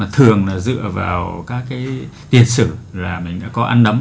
thường là dựa vào các cái tiền sử là mình đã có ăn nấm